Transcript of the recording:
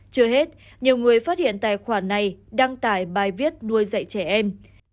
chưa hết nhiều người phát hiện tài khoản này đăng tải bài viết nuôi dạy trẻ em